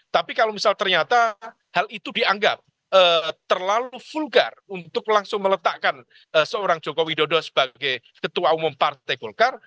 tapi kalau misal ternyata hal itu dianggap terlalu vulgar untuk langsung meletakkan seorang joko widodo sebagai ketua umum partai golkar